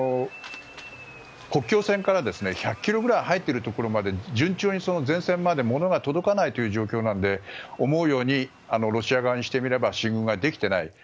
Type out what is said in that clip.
国境線から１００ｋｍぐらい入っているところまで順調に、前線まで物が届かないという状況なので思うようにロシア軍からしてみれば進軍ができていない。